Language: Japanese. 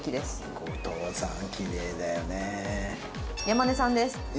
山根さんです。